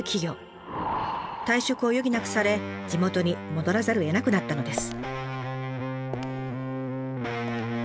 退職を余儀なくされ地元に戻らざるをえなくなったのです。